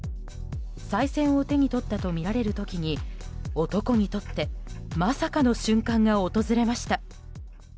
さい銭を手に取ったとみられる時に男にとってまさかの瞬間が訪れました。